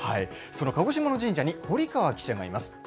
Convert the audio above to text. その鹿児島の神社に堀川記者がいます。